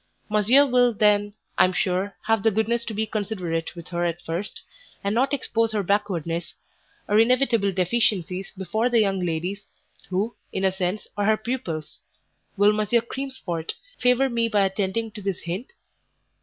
Monsieur will then, I am sure, have the goodness to be considerate with her at first, and not expose her backwardness, her inevitable deficiencies, before the young ladies, who, in a sense, are her pupils. Will Monsieur Creemsvort favour me by attending to this hint?"